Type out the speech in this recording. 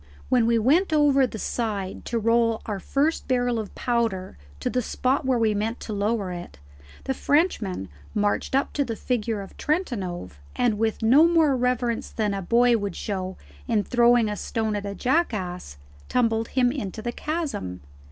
When we went over the side to roll our first barrel of powder to the spot where we meant to lower it, the Frenchman marched up to the figure of Trentanove, and with no more reverence than a boy would show in throwing a stone at a jackass, tumbled him into the chasm.